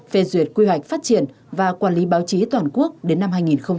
phê duyệt quy hoạch phát triển và quản lý báo chí toàn quốc đến năm hai nghìn ba mươi